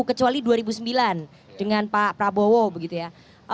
kecuali dua ribu sembilan dengan pak prabowo begitu ya